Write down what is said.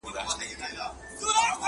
د مستو پېغلو د پاولیو وطن،